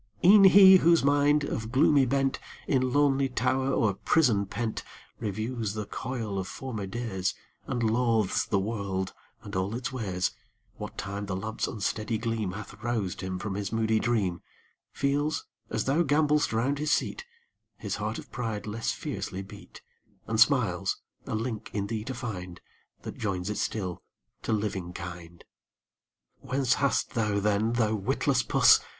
E'en he whose mind, of gloomy bent, In lonely tower or prison pent, Reviews the coil of former days, And loathes the world and all its ways, What time the lamp's unsteady gleam Hath roused him from his moody dream, Feels, as thou gambol'st round his seat, His heart of pride less fiercely beat, And smiles, a link in thee to find That joins it still to living kind. Whence hast thou then, thou witless puss!